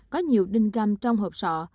có nhiều đinh găm trong hộp sọ